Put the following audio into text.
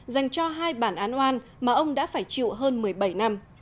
dành cho hai bản án oan mà ông đã phải chịu hơn một mươi bảy năm